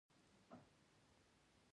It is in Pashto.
د بدن د پړسوب لپاره د څه شي اوبه وڅښم؟